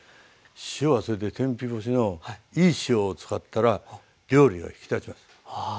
塩はそれで天日干しのいい塩を使ったら料理が引き立ちます。